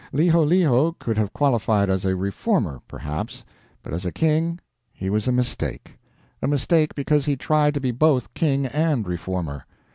Liholiho could have qualified as a reformer, perhaps, but as a king he was a mistake. A mistake because he tried to be both king and reformer.